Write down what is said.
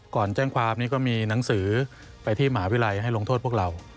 ก่อนแจ้งความนี้ก็มีหนังสือไปที่มหาวิทยาลัยให้ลงโทษพวกเรา